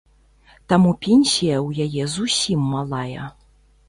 Таму пенсія ў яе зусім малая.